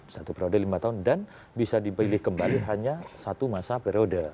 satu periode lima tahun dan bisa dipilih kembali hanya satu masa periode